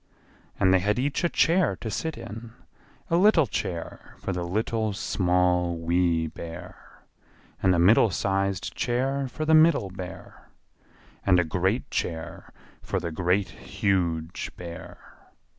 And they had each a chair to sit in: a little chair for the Little, Small, Wee Bear; and a middle sized chair for the Middle Bear; and a great chair for the Great, Huge Bear.